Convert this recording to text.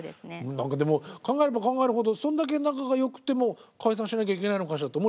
何かでも考えれば考えるほどそんだけ仲がよくても解散しなきゃいけないのかしらって思っちゃいますね。